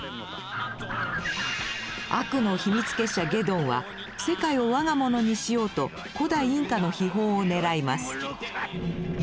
悪の秘密結社ゲドンは世界を我が物にしようと古代インカの秘宝を狙います。